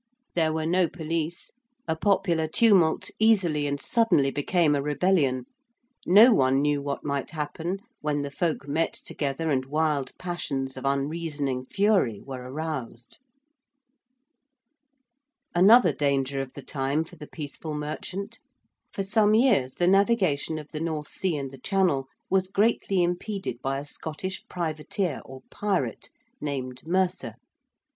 There were no police; a popular tumult easily and suddenly became a rebellion: no one knew what might happen when the folk met together and wild passions of unreasoning fury were aroused. Another danger of the time for the peaceful merchant. For some years the navigation of the North Sea and the Channel was greatly impeded by a Scottish privateer or pirate named Mercer.